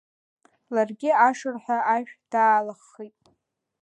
Ларгьы ашырҳәа ашә даалаххит.